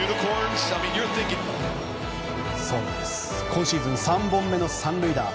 今シーズン３本目の３塁打。